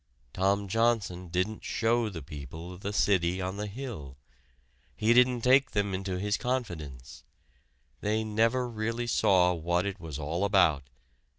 Tom Johnson didn't show the people the City on the Hill. He didn't take them into his confidence. They never really saw what it was all about.